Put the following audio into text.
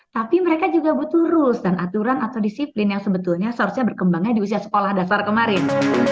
tapi mereka juga butuh rules dan aturan atau disiplin yang sebetulnya seharusnya berkembangnya di usia sekolah dasar kemarin